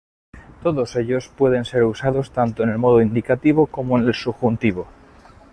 Todos ellos pueden ser usados tanto en el modo indicativo como en el subjuntivo.